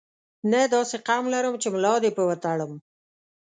نه داسې قوم لرم چې ملا دې په وتړم.